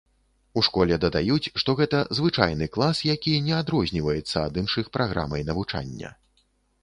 У школе дадаюць, што гэта звычайны клас, які не адрозніваецца ад іншых праграмай навучання.